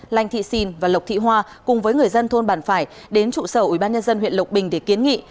lanh thị xìn và lộc thị hoa cùng với người dân thôn bản phải đến trụ sở ủy ban nhân dân huyện lục bình để kiến nghị